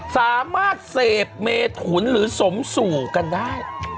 สามารถเสพเมถุนหรือสมสู่กันได้